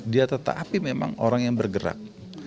dia tetapi memang orang yang bergerak